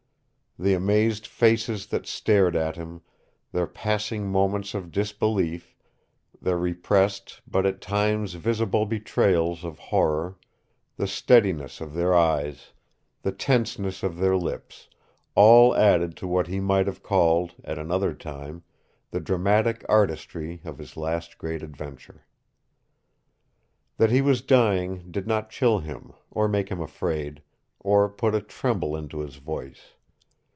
The amazed faces that stared at him, their passing moments of disbelief, their repressed but at times visible betrayals of horror, the steadiness of their eyes, the tenseness of their lips all added to what he might have called, at another time, the dramatic artistry of his last great adventure. That he was dying did not chill him, or make him afraid, or put a tremble into his voice.